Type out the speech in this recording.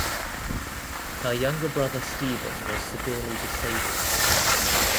Her younger brother Stephen was severely disabled.